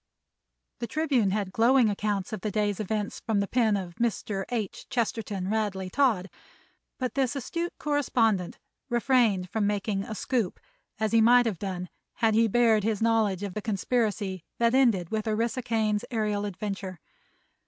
The Tribune had glowing accounts of the day's events from the pen of Mr. H. Chesterton Radley Todd, but this astute correspondent refrained from making "a scoop," as he might have done had he bared his knowledge of the conspiracy that ended with Orissa Kane's aërial adventure.